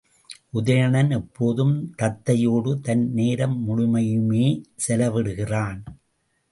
உதயணன் எப்போதும் தத்தையோடு தன் நேரம் முழுமையையுமே செலவிடுகிறான்.